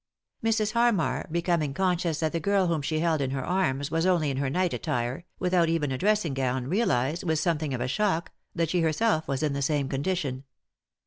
Mrs. Harmar, becoming conscious that the girl whom she held in her arms, was only in her night attire, with out even a dressing gown, realised, with something of a shock, that she herself was in the same condition.